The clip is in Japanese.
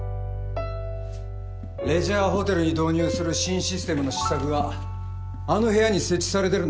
レジャーホテルに導入する新システムの試作があの部屋に設置されてるんだそうだ。